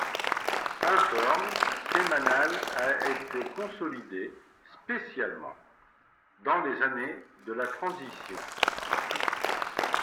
Informe Semanal a été consolidée, spécialement, dans les années de la transition.